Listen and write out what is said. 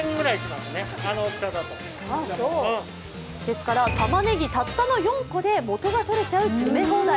ですから、たまねぎたったの４個で元が取れちゃう詰め放題。